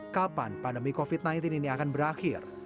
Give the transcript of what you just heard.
kapan pandemi covid sembilan belas ini akan berakhir